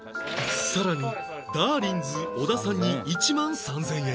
さらにだーりんず小田さんに１万３０００円